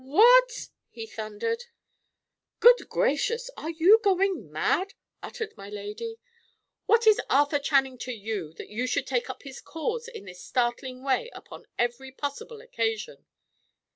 "What?" he thundered. "Good gracious! are you going mad?" uttered my lady. "What is Arthur Channing to you, that you should take up his cause in this startling way upon every possible occasion?"